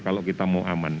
kalau kita mau aman